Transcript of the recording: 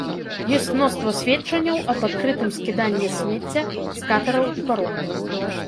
Ёсць мноства сведчанняў аб адкрытым скіданні смецця з катэраў і паромаў.